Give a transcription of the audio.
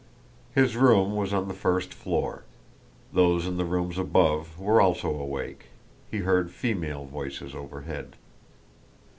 His room was on the first floor. Those in the rooms above were also awake. He heard female voices overhead.